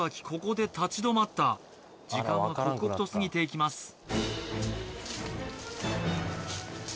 ここで立ち止まった時間は刻々と過ぎていきます